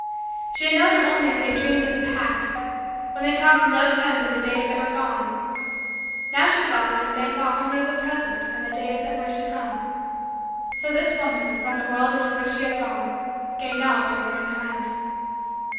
She had known them only as they dreamed of the past when they talked in low tones of the days that were gone: now she saw them as they thought only of the present and the days that were to come. So this woman, from the world into which she had gone, gained knowledge of mankind.